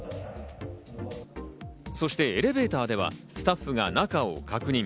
そしてエレベーターではスタッフが中を確認。